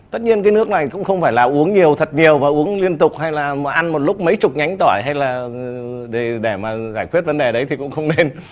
tất nhiên cái nước này cũng không phải là uống nhiều thật nhiều và uống liên tục hay là mà ăn một lúc mấy chục nhánh tỏi hay là để mà giải quyết vấn đề đấy thì cũng không nên